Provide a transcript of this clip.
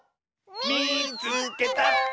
「みいつけた！」。